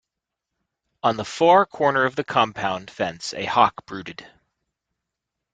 On the far corner of the compound fence a hawk brooded.